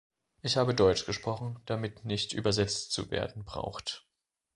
Ich habe deutsch gesprochen, damit nicht übersetzt zu werden braucht.